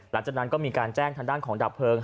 หลังจากนั้นก็มีการแจ้งทางด้านของดับเพลิง